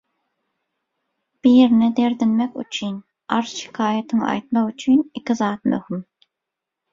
Birine derdinmek üçin, arz-şikaýatyňy aýtmak üçin iki zat möhüm.